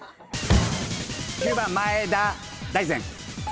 ９番前田大然。